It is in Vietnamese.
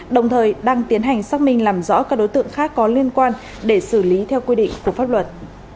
đồng thời đang tiến hành xác minh làm rõ các đối tượng khác có liên quan để xử lý theo quy định của pháp luật